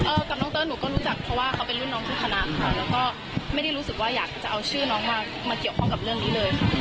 กับน้องเตอร์หนูก็รู้จักเพราะว่าเขาเป็นรุ่นน้องทุกคณะเขาแล้วก็ไม่ได้รู้สึกว่าอยากจะเอาชื่อน้องมาเกี่ยวข้องกับเรื่องนี้เลยค่ะ